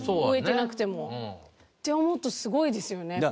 植えてなくても。って思うとすごいですよね。